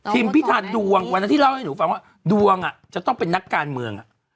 ทิมพิถารดวงวันนี้เล่าให้หนูฟังว่าดวงอ่ะจะต้องเป็นนักการเมืองอ่ะ